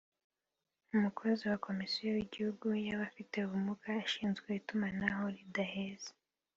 umukozi wa Komisiyo y’Igihugu y’Abafite Ubumuga ushinzwe itumanaho ridaheza